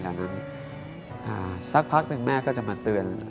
สักพักนะครับพี่แม่จะมาเตือน